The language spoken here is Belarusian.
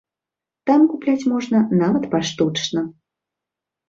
Там купляць можна нават паштучна.